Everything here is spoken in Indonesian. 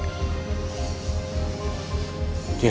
jessi tolong saya ya ren